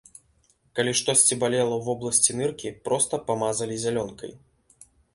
Калі штосьці балела ў вобласці ныркі, проста памазалі зялёнкай.